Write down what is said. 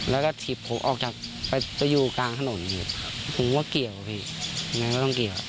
แล้วผลก็พกให้พอออกออกจากไปยูกลางถนนก็เกลี่ยวไว้เนี่ย